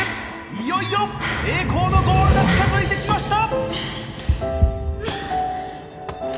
いよいよ栄光のゴールが近づいてきました！